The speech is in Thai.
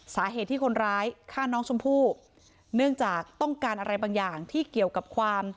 สาเหตุที่คนร้ายฆ่าน้องชมพู่เนื่องจากต้องการอะไรบางอย่างที่เกี่ยวกับความ